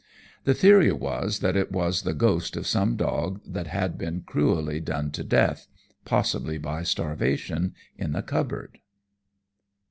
The theory was that it was the ghost of some dog that had been cruelly done to death possibly by starvation in the cupboard.